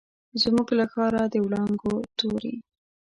زموږ له ښاره، د وړانګو توري